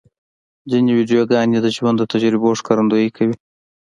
ځینې ویډیوګانې د ژوند د تجربو ښکارندویي کوي.